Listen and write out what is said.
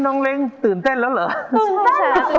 โปรดติดตามต่อไป